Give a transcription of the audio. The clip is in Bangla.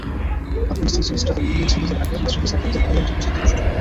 আফগানিস্তান সিরিজটা তাই ইংল্যান্ড সিরিজের আগে মাশরাফি-সাকিবদের ভালো একটা প্রস্তুতিরও সুযোগ।